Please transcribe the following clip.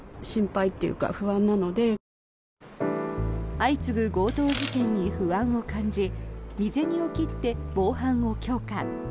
相次ぐ強盗事件に不安を感じ身銭を切って防犯を強化。